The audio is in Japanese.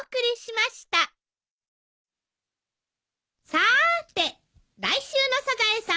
さーて来週の『サザエさん』は？